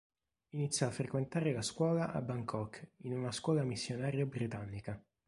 Iniziò a frequentare la scuola a Bangkok in una scuola missionaria britannica.